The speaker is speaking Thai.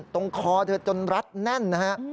คอเธอจนรัดแน่นนะฮะ